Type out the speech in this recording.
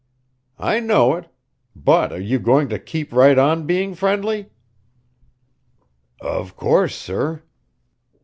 "I know it. But are you going to keep right on being friendly?" "Of course, sir."